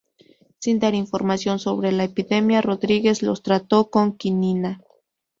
Sin dar información sobre la epidemia, Rodríguez los trato con quinina.